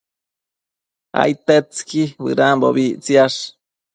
Aidtetsëqui bëdambo ictsiash